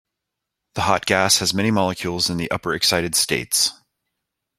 The hot gas has many molecules in the upper excited states.